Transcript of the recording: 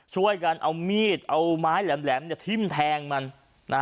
ช่วยกันเอามีดเอาม้ายแหลมทิ้มแทงมัน